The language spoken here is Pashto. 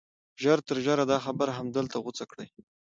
ژر تر ژره دا خبره همدلته غوڅه کړئ